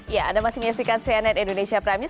ya anda masih menyaksikan cnn indonesia prime news